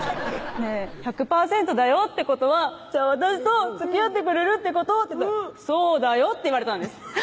「１００％だよってことはじゃあつきあってくれるってこと？」って言ったら「そうだよ」って言われたんです